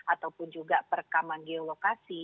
ataupun juga perekaman geolokasi